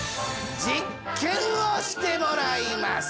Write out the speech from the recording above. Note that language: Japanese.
実験をしてもらいます！